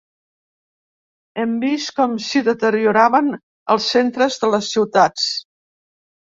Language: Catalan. Hem vist com s’hi deterioraven els centres de les ciutats.